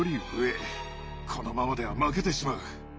このままでは負けてしまう。